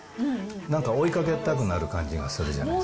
なんか追いかけたくなる感じがするじゃないですか。